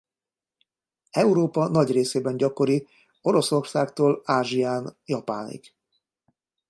Európa nagy részében gyakori Oroszországtól Ázsián Japánig.